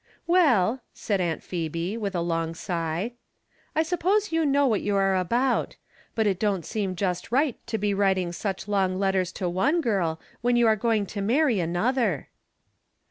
" Well," said Aunt Phebe, with a long sigh, *" I suppose you know what you are about ; but 52 From Different Standpoints. it don't seem just right to be writing sucli long letters to one girl when you are going to marry" another."